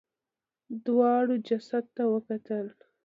دواړو جسد ته وکتل.